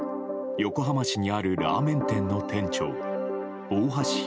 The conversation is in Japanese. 横浜市にあるラーメン店の店長大橋弘